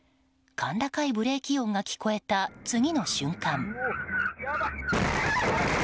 甲高いブレーキ音が聞こえた次の瞬間。